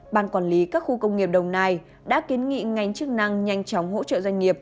ban quản lý các khu công nghiệp đồng nai đã kiến nghị ngành chức năng nhanh chóng hỗ trợ doanh nghiệp